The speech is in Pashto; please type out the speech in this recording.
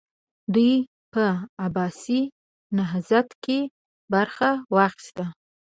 دوی په عباسي نهضت کې برخه واخیسته.